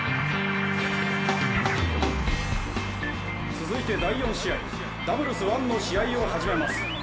続いて第４試合ダブルスワンの試合を始めます。